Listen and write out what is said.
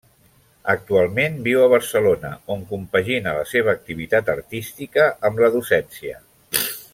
Actualment viu a Barcelona, on compagina la seva activitat artística amb la docència.